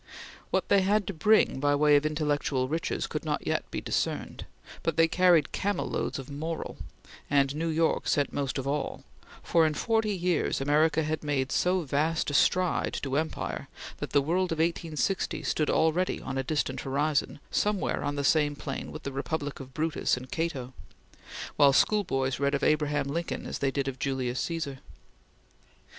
What they had to bring by way of intellectual riches could not yet be discerned, but they carried camel loads of moral; and New York sent most of all, for, in forty years, America had made so vast a stride to empire that the world of 1860 stood already on a distant horizon somewhere on the same plane with the republic of Brutus and Cato, while schoolboys read of Abraham Lincoln as they did of Julius Caesar.